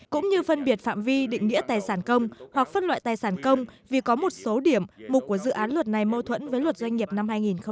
cũng như phân biệt phạm vi định nghĩa tài sản công hoặc phân loại tài sản công vì có một số điểm mục của dự án luật này mâu thuẫn với luật doanh nghiệp năm hai nghìn một mươi